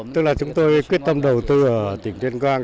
tức là chúng tôi quyết tâm đầu tư ở tỉnh tuyên quang